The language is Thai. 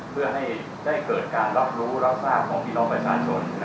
เพื่อให้ได้เกิดการรับรู้รับทราบของพี่น้องประชาชน